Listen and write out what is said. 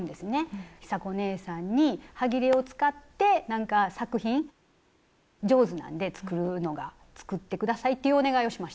尚子ねえさんにはぎれを使ってなんか作品上手なんで作るのが作って下さいっていうお願いをしました。